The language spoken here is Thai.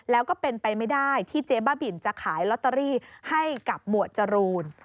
แล้วก็เป็นไปไม่ได้ที่เจ๊บ้าบินจะขายลอตเตอรี่ให้กับหมวดจรูน